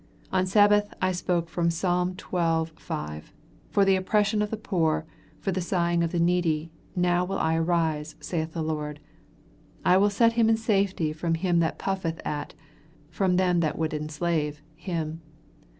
On Sabbath, I spoke from Psalm xii. 5. "For the oppression of the poor, for the sighing of the needy, now will I arise," saith the Lord: "I will set him in safety from him that puffeth at (from them that would enslave) him."